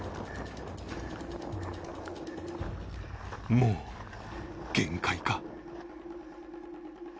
もう限界か？